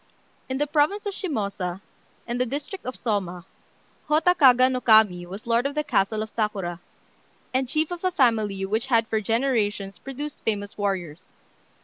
] In the province of Shimôsa, and the district of Sôma, Hotta Kaga no Kami was lord of the castle of Sakura, and chief of a family which had for generations produced famous warriors.